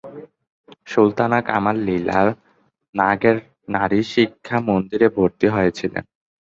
সুলতানা কামাল লীলা নাগের নারীশিক্ষা মন্দিরে ভর্তি হয়েছিলেন।